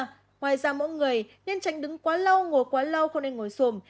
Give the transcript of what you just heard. ngoài ra mỗi người nên tránh đứng quá lâu ngồi quá lâu không nên ngồi xùm